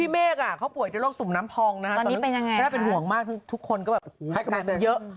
เมฆเขาป่วยจากโรคตุ่มน้ำพองถ้าเป็นห่วงมากทุกคนก็แบบปรับเยอะ